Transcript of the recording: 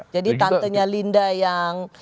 jadi tantenya linda yang